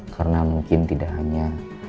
karena mungkin tidak hanya